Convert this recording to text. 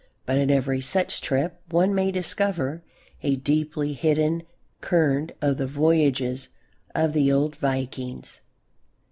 But in every such trip one may discover a deeply hidden kernel of the voyages of the old Vikings.